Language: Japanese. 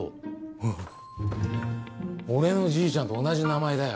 ほほっ俺のじいちゃんと同じ名前だよ。